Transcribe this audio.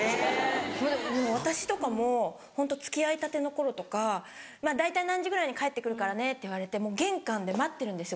私とかもホント付き合いたての頃とか大体何時ぐらいに帰って来るからって言われても玄関で待ってるんですよ